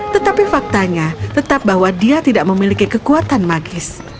tetapi faktanya tetap bahwa dia tidak memiliki kekuatan magis